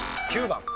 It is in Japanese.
９番。